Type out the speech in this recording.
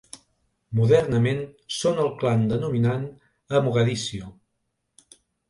Modernament són el clan dominant a Mogadiscio.